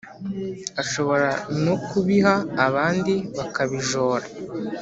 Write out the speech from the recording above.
Ashobora no kubiha abandi bakabijora